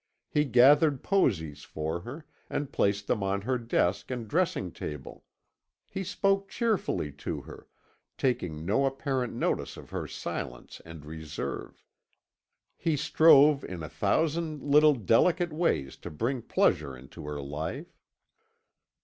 He gathered posies for her, and placed them on her desk and dressing table; he spoke cheerfully to her, taking no apparent notice of her silence and reserve; he strove in a thousand little delicate ways to bring pleasure into her life.